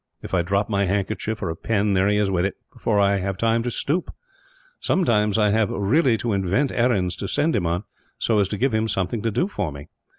If I drop my handkerchief, or a pen, there he is with it, before I have time to stoop. Sometimes I have really to invent errands to send him on, so as to give him something to do for me.